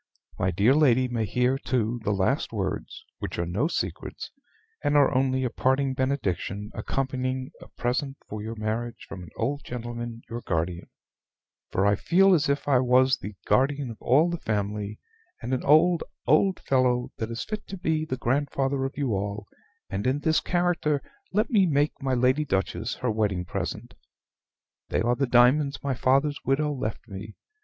"My dear lady may hear, too, the last words, which are no secrets, and are only a parting benediction accompanying a present for your marriage from an old gentleman your guardian; for I feel as if I was the guardian of all the family, and an old old fellow that is fit to be the grandfather of you all; and in this character let me make my Lady Duchess her wedding present. They are the diamonds my father's widow left me.